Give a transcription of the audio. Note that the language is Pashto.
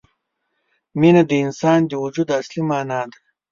مینه د انسان د وجود اصلي معنا ده.